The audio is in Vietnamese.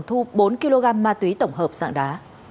thu bốn kg ma túy tổng hợp sạng đá